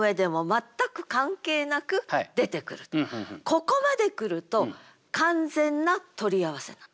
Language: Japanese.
ここまで来ると完全な取り合わせなの。